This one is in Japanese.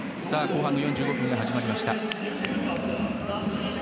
後半４５分が始まりました。